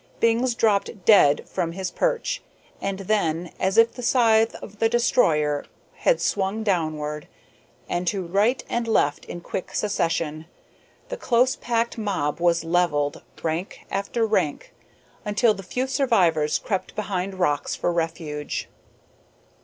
Bings dropped dead from his perch, and then, as if the scythe of the Destroyer had swung downward, and to right and left in quick succession, the close packed mob was levelled, rank after rank, until the few survivors crept behind rocks for refuge.